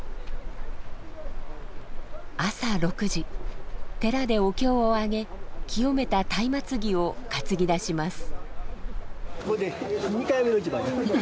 朝６時寺でお経をあげ清めた松明木を担ぎ出します。